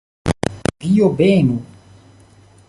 Dio benu!